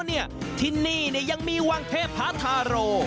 ที่นี่ยังมีวังเทพาทาร์โร